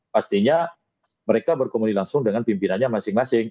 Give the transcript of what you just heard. pastinya mereka berkomunikasi langsung dengan pimpinannya masing masing